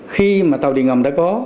khi mà tàu đi ngầm đã có